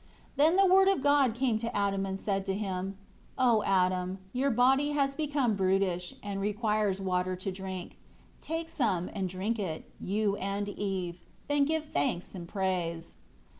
3 Then the Word of God came to Adam, and said to him, "O Adam, your body has become brutish, and requires water to drink. Take some and drink it, you and Eve, then give thanks and praise."